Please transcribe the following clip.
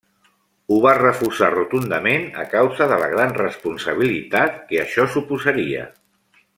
Ho va refusar rotundament a causa de la gran responsabilitat que això suposaria.